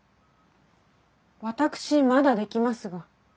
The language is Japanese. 私まだできますが？